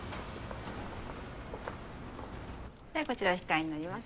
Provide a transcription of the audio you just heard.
はいこちら控えになります。